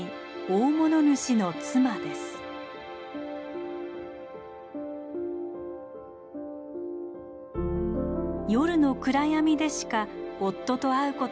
夜の暗闇でしか夫と会うことがなかったヒメ。